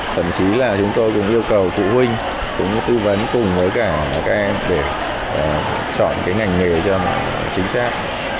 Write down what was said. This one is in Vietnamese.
thậm chí là chúng tôi cũng yêu cầu phụ huynh cũng tư vấn cùng với cả các em để chọn cái ngành nghề cho mình chính xác